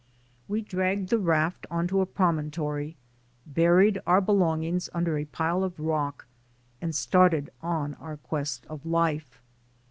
We dragged the raft onto a promontory, buried my belongings under a pile of rock and started on our quest of life.